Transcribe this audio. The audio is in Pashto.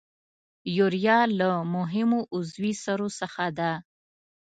یوریا له مهمو عضوي سرو څخه ده.